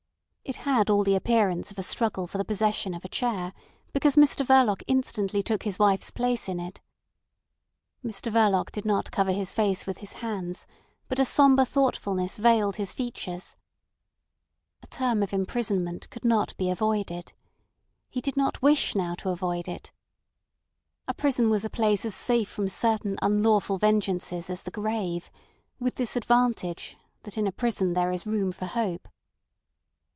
It all had the appearance of a struggle for the possession of a chair, because Mr Verloc instantly took his wife's place in it. Mr Verloc did not cover his face with his hands, but a sombre thoughtfulness veiled his features. A term of imprisonment could not be avoided. He did not wish now to avoid it. A prison was a place as safe from certain unlawful vengeances as the grave, with this advantage, that in a prison there is room for hope.